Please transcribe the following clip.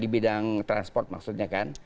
di bidang transport maksudnya kan